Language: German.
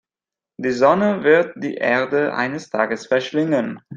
Die Sonne wird die Erde eines Tages verschlingen.